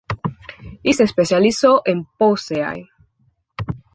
Y se especializó en Poaceae.